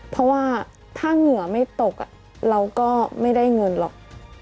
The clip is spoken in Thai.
เพราะว่าถ้าเหงื่อไม่ตกเราก็ไม่ได้เงินหรอก